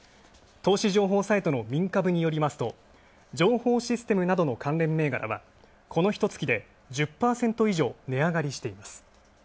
投資情報サイトのみんかぶによりますと情報システムなどの関連銘柄はこのひと月で１０％以上値上がりしています。